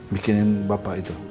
bikinin bapak itu